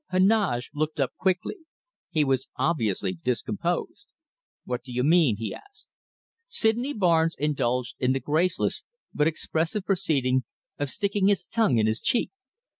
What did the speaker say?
Heneage looked up quickly. He was obviously discomposed. "What do you mean?" he asked. Sydney Barnes indulged in the graceless but expressive proceeding of sticking his tongue in his cheek.